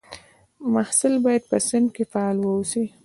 محصل باید په صنف کې فعال واوسي.